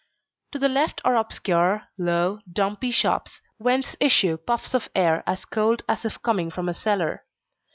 To the left are obscure, low, dumpy shops whence issue puffs of air as cold as if coming from a cellar.